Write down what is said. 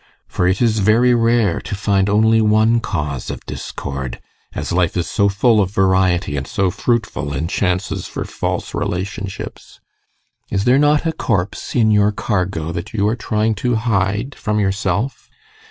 For it is very rare to find only one cause of discord, as life is so full of variety and so fruitful in chances for false relationships. Is there not a corpse in your cargo that you are trying to hide from yourself?